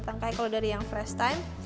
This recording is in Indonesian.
dua tangkai kalau dari yang fresh thyme